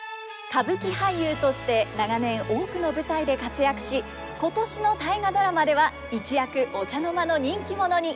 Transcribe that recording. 歌舞伎俳優として長年多くの舞台で活躍し今年の「大河ドラマ」では一躍お茶の間の人気者に。